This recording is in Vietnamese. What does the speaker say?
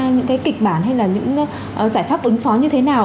những cái kịch bản hay là những giải pháp ứng phó như thế nào